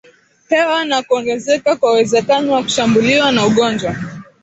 hewa na kuongezeka kwa uwezekano wa kushambuliwa na ugonjwa